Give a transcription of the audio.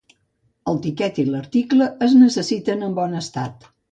El tiquet i l'article es necessiten en bon estat.